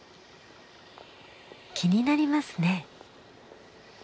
気になりますね。